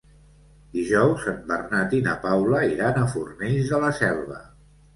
Dijous en Bernat i na Paula iran a Fornells de la Selva.